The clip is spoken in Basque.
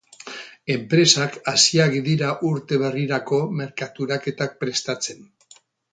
Enpresak hasiak dira urte berrirako merkaturaketak prestatzen.